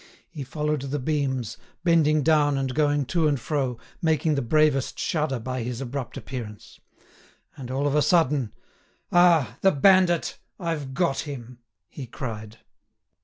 He followed the beams, bending down and going to and fro, making the bravest shudder by his abrupt appearance. And, all of a sudden: "Ah! the bandit, I've got him!" he cried.